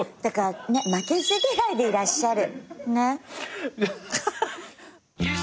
負けず嫌いでいらっしゃる。